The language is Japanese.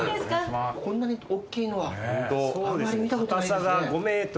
こんなにおっきいのはあんまり見たことないですね。